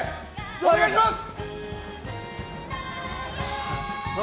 お願いします！